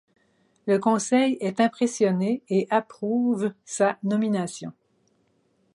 Le conseil est impressionné et approuve sa nomination.